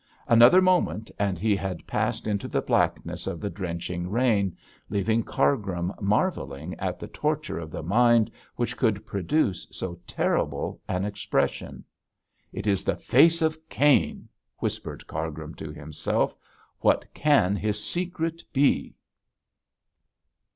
Another moment and he had passed into the blackness of the drenching rain, leaving Cargrim marvelling at the torture of the mind which could produce so terrible an expression. 'It is the face of Cain,' whispered Cargrim to himself. 'What can his secret be?'